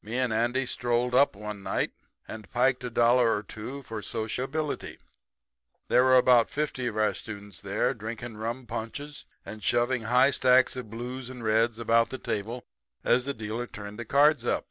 Me and Andy strolled up one night and piked a dollar or two for sociability. There were about fifty of our students there drinking rum punches and shoving high stacks of blues and reds about the table as the dealer turned the cards up.